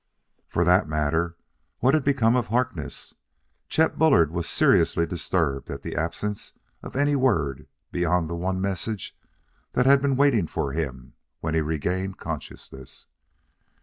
For that matter, what had become of Harkness? Chet Bullard was seriously disturbed at the absence of any word beyond the one message that had been waiting for him when he regained consciousness.